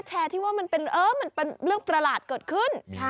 ที่ว่ามันเป็นเรื่องประหลาดเกิดขึ้น